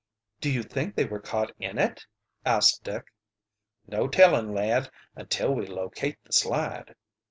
"Do you think they were caught in it?" asked Dick. "No tellin', lad, until we locate the slide."